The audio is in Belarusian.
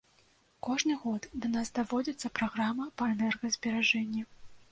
Кожны год да нас даводзіцца праграма па энергазберажэнні.